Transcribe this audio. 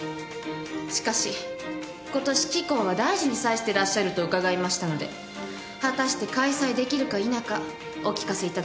しかしことし貴校は大事に際してらっしゃると伺いましたので果たして開催できるか否かお聞かせいただこうかと。